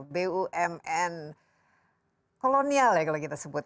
bumn kolonial ya kalau kita sebut